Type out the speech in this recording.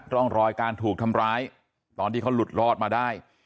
ร่องรอยการถูกทำร้ายตอนที่เขาหลุดรอดมาได้